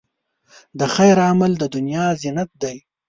د خیر عمل، د دنیا زینت دی.